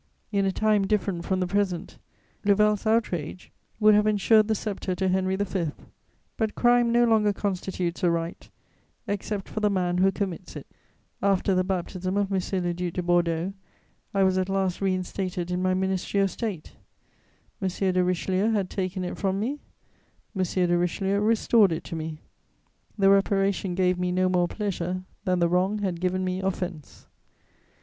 In a time different from the present, Louvel's outrage would have ensured the sceptre to Henry V.; but crime no longer constitutes a right, except for the man who commits it. [Sidenote: Baptism of the Duc de Bordeaux.] After the baptism of M. le Duc de Bordeaux, I was at last reinstated in my ministry of State: M. de Richelieu had taken it from me, M. de Richelieu restored it to me; the reparation gave me no more pleasure than the wrong had given me offense.